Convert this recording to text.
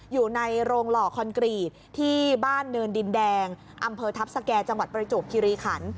อยู่ในโรงหล่อคอนกรีตที่บ้านเนินดินแดงอำเภอทัพสแก่จังหวัดประจวบคิริขัน